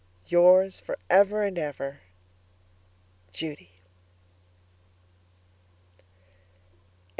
Yours, for ever and ever, Judy PS.